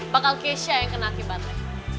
bakal keisha yang kena akibatnya